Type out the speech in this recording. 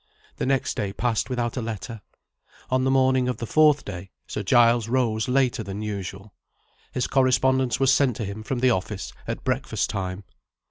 The next day passed without a letter. On the morning of the fourth day, Sir Giles rose later than usual. His correspondence was sent to him from the office, at breakfast time.